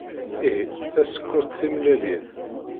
Ihi, tasekkurt timellalin!